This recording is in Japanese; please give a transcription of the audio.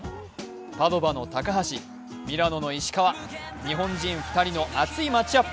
パドヴァの高橋、ミラノの石川日本人２人の熱いマッチアップ